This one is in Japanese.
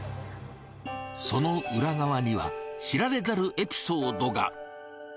その裏側には、知られざるエピソードが。